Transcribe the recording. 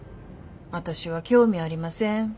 私は興味ありません